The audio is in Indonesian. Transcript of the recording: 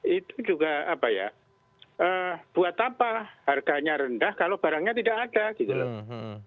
itu juga apa ya buat apa harganya rendah kalau barangnya tidak ada gitu loh